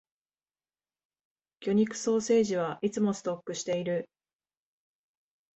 魚肉ソーセージはいつもストックしている